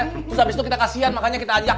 terus habis itu kita kasihan makanya kita ajak